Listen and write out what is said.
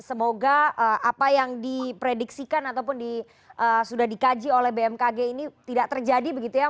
semoga apa yang diprediksikan ataupun sudah dikaji oleh bmkg ini tidak terjadi begitu ya